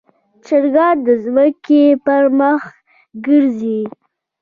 چرګان د ځمکې پر مخ ګرځي.